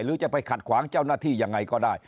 หรือจะไปขัดขวางเจ้าหน้าที่ยังไงก็ได้